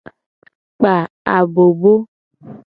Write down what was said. Kpa abobo.